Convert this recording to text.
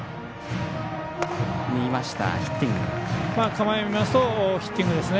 構えを見ますとヒッティングですね。